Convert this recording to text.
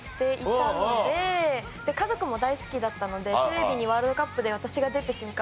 家族も大好きだったのでテレビにワールドカップで私が出た瞬間